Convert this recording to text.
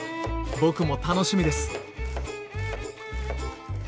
僕も楽しみです！